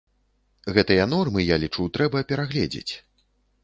Гэтыя нормы, я лічу, трэба перагледзець.